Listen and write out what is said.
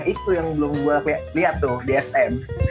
itu yang belum gue lihat tuh di sm